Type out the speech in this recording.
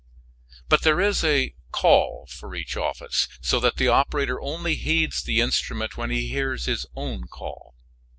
But there is a "call" for each office, so that the operator only heeds the instrument when he hears his own call.